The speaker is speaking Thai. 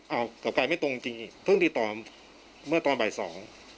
เอาต่อไปไม่ตรงจริงอีกเพิ่งติดต่อเมื่อตอนบ่ายสอง